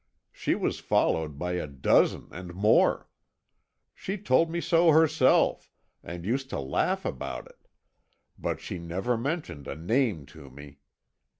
She was followed by a dozen and more. She told me so herself, and used to laugh about it; but she never mentioned a name to me.